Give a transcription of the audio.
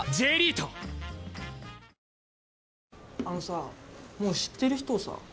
あのさもう知ってる人をさ